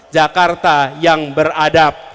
jakarta yang beradab